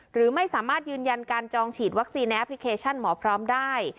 หรือไม่สามารถยืนยันการจองฉีดวัคซีนในแอปพลิเคชันหมอพร้อมได้